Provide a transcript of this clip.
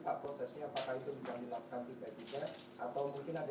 apakah itu bisa dilakukan tiga tiga